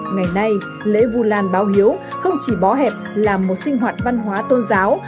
ngày nay lễ vu lan báo hiếu không chỉ bó hẹp là một sinh hoạt văn hóa tôn giáo